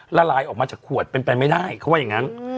ละลายออกมาจากขวดเป็นไปไม่ได้เขาว่าอย่างนั้น